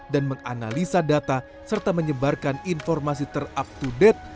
dan menganalisa data serta menyebarkan informasi ter up to date